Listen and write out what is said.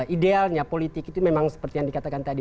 idealnya politik itu memang seperti yang dikatakan tadi